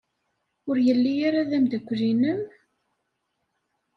Ur yelli ara d ameddakel-nnem?